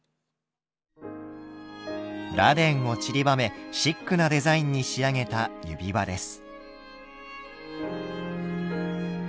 螺鈿をちりばめシックなデザインに仕上げた指輪です。